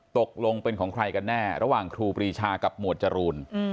ตกลงเป็นของใครกันแน่ระหว่างครูปรีชากับหมวดจรูน